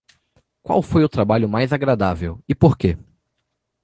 Qual foi o trabalho mais agradável e por quê?